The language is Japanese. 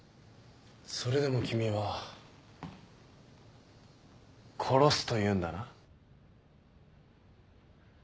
それでも君は殺すというんだな？